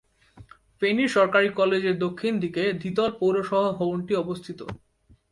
ফেনী সরকারি কলেজের দক্ষিণ দিকে দ্বিতল পৌরসভা ভবনটি অবস্থিত।